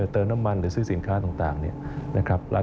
เติมน้ำมันหรือซื้อสินค้าต่างเนี่ยนะครับ